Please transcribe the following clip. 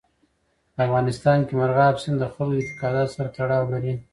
په افغانستان کې مورغاب سیند د خلکو د اعتقاداتو سره تړاو لري.